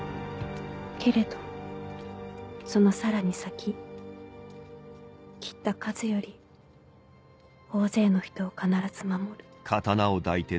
けれどそのさらに先斬った数より大勢の人を必ず守る。